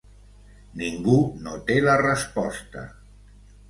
Ningú no té la resposta.